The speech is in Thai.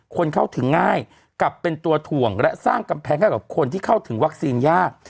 คนเข้าถึงง่ายกลับเป็นตัวถ่วงและสร้างกำแพงให้กับคนที่เข้าถึงวัคซีนยาก